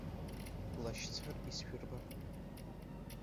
Лашьцар ишәсырбап.